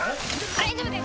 大丈夫です